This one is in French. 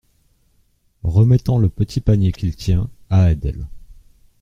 Remettant le petit panier qu’il tient à Adèle.